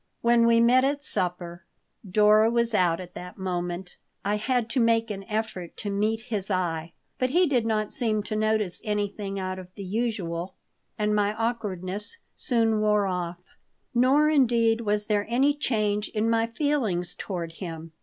When we met at supper (Dora was out at that moment) I had to make an effort to meet his eye. But he did not seem to notice anything out of the usual, and my awkwardness soon wore off Nor, indeed, was there any change in my feelings toward him.